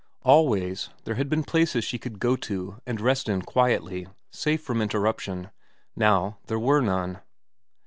Always there had been places she could go to and rest in quietly, safe from interrup tion ; now there were none.